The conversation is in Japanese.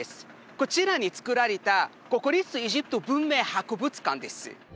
こちらにつくられた国立エジプト文明博物館です